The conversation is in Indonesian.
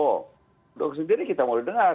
muldoko sendiri kita mau dengar